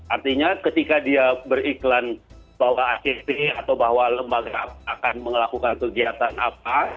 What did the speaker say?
artinya ketika dia beriklan bahwa act atau bahwa lembaga akan melakukan kegiatan apa